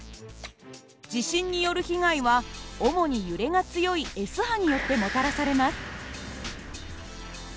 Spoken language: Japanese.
地震による被害は主に揺れが強いＳ波によってもたらされます。